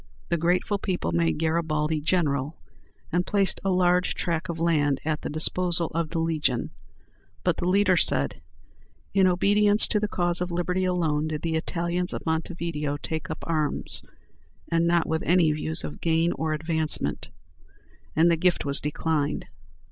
The grateful people made Garibaldi "General," and placed a large tract of land at the disposal of the Legion; but the leader said, "In obedience to the cause of liberty alone did the Italians of Montevideo take up arms, and not with any views of gain or advancement," and the gift was declined.